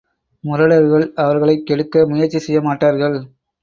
முரடர்கள் அவர்களைக் கெடுக்க முயற்சி செய்ய மாட்டார்கள்.